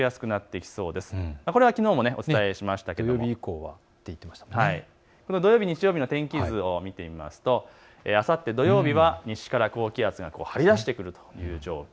きのうもお伝えしました土曜日、日曜日の天気図を見ていきますとあさって土曜日は西から高気圧が張り出してくるという状況。